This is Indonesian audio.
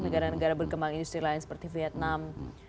negara negara berkembang industri lain seperti vietnam